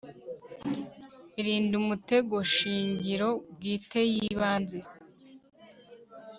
Irinde umutegoshingiro bwite y ibanze